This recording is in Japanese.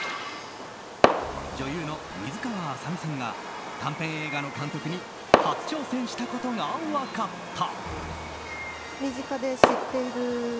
女優の水川あさみさんが短編映画の監督に初挑戦したことが分かった。